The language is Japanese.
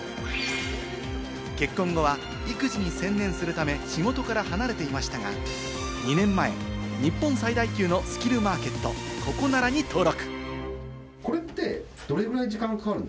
結婚後は育児に専念するため、仕事から離れていましたが、２年前、日本最大級のスキルマーケット・ココナラに登録。